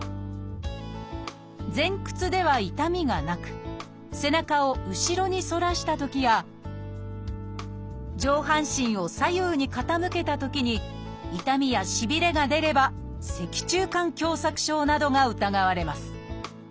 前屈では痛みがなく背中を後ろに反らしたときや上半身を左右に傾けたときに痛みやしびれが出れば脊柱管狭窄症などが疑われます。